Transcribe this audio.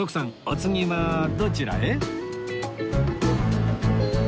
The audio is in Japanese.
お次はどちらへ？